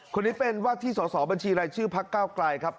คนนี้เป็นว่าที่สอสอบัญชีรายชื่อพักเก้าไกลครับ